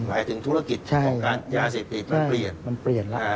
หมายถึงธุรกิจของการยาเสพติดมันเปลี่ยนมันเปลี่ยนแล้ว